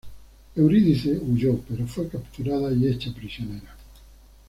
Eurídice huyó, pero fue capturada y hecha prisionera.